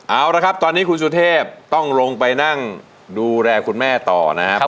เอาละครับตอนนี้คุณสุเทพต้องลงไปนั่งดูแลคุณแม่ต่อนะครับ